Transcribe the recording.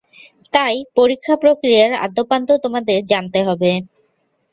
তাই পরীক্ষা প্রক্রিয়ার আদ্যোপান্ত তোমাদের জানতে হবে।